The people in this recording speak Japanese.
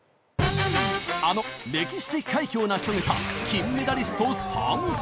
あの歴史的快挙を成し遂げた金メダリスト参戦！